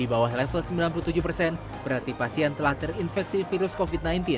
di bawah level sembilan puluh tujuh persen berarti pasien telah terinfeksi virus covid sembilan belas